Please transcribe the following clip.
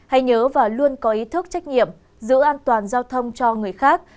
hãy nhớ và luôn có ý thức trách nhiệm giữ an toàn giao thông cho người khác